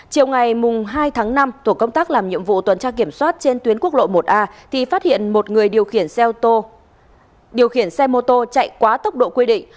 chiều ngày hai tháng năm tổ công tác làm nhiệm vụ tuần tra kiểm soát trên tuyến quốc lộ một a thì phát hiện một người điều khiển xe mô tô chạy quá tốc độ quy định